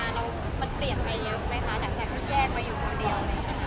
หลังจากสิ่งแกร่งไปอยู่คนเดียว